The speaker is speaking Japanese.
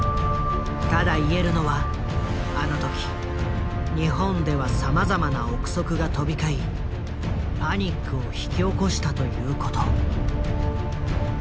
ただ言えるのはあの時日本ではさまざまな臆測が飛び交いパニックを引き起こしたということ。